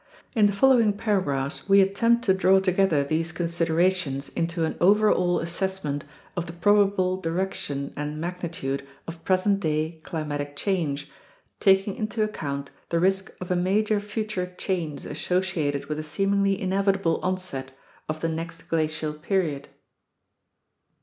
In the following paragraphs we attempt to draw together these considerations into an overall assess ment of the probable direction and magnitude of present day climatic change, taking into account the risk of a major future change associated with the seemingly inevitable onset of the next glacial period.